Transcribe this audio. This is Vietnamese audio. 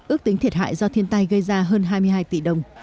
ước tính thiệt hại do thiên tai gây ra hơn hai mươi hai tỷ đồng